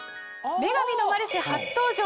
『女神のマルシェ』初登場